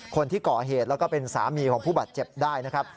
คนที่ก่อเหตุแล้วก็เป็นสามีของผู้บาดเจ็บได้นะครับ